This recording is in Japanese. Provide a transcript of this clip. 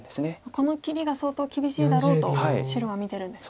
この切りが相当厳しいだろうと白は見てるんですね。